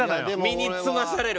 身につまされる。